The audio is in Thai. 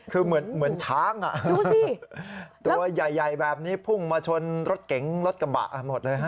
คือเหมือนช้างตัวใหญ่แบบนี้พุ่งมาชนรถเก๋งรถกระบะหมดเลยฮะ